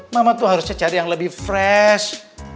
mama tuh harusnya cari yang lebih fresh